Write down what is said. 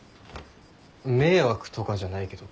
迷惑とかじゃないけど。